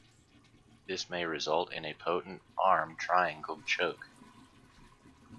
This may result in a potent arm triangle choke.